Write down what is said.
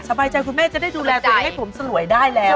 สบายใจคุณแม่จะได้ดูแลตัวเองให้ผมสลวยได้แล้ว